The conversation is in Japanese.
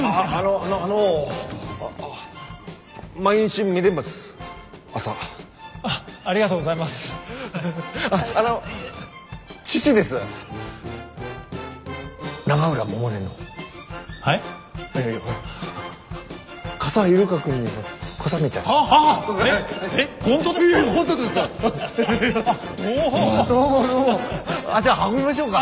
ああじゃあ運びましょうか。